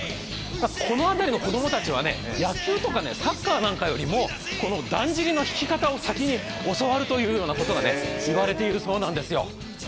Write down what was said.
この辺りの子供たちは野球とかサッカーよりもこのだんじりのひき方を先に教わるといわれているんですよ。